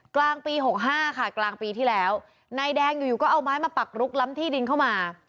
กลางปี๖๕ค่ะกลางปีที่แล้วนายแดงอยู่อยู่ก็เอาไม้มาปักลุกล้ำที่ดินเข้ามา